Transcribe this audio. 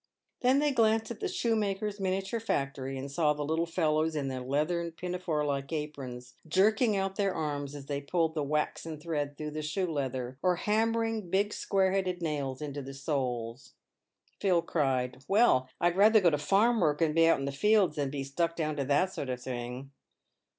Then they glanced at the shoemakers' miniature factory, and saw the little fellows in their leathern pinafore like aprons, jerking out their arms as they pulled the waxen thread through the shoe leather, or hammering big, square headed nails into the soles. Phil cried, " Well, I'd rather go to farm work and be out in the fields than be stuck down to that sort of thing."